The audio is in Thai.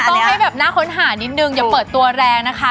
ต้องให้แบบน่าค้นหานิดนึงอย่าเปิดตัวแรงนะคะ